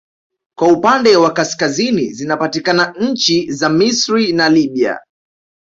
Kwa upande wa kaskazini zinapatikana nchi za Misri na Libya